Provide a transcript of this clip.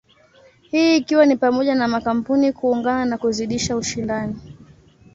Hii ikiwa ni pamoja na makampuni kuungana na kuzidisha ushindani.